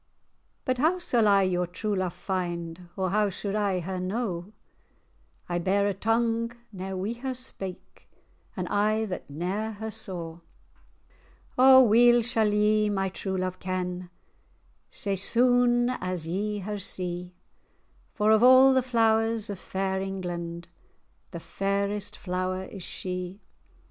"But how sall I your true love find, Or how suld I her know? I bear a tongue ne'er wi' her spake, An eye that ne'er her saw." "O weel sall ye my true love ken, Sae sune[#] as ye her see; For, of a' the flowers of fair England, The fairest flower is she.